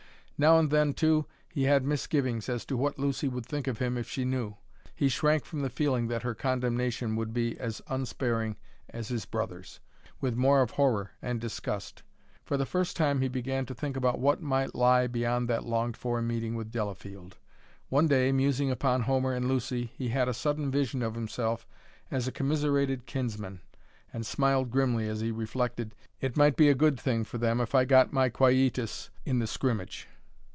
Now and then, too, he had misgivings as to what Lucy would think of him if she knew. He shrank from the feeling that her condemnation would be as unsparing as his brother's, with more of horror and disgust. For the first time he began to think about what might lie beyond that longed for meeting with Delafield. One day, musing upon Homer and Lucy, he had a sudden vision of himself as a commiserated kinsman, and smiled grimly as he reflected, "It might be a good thing for them if I got my quietus in the scrimmage."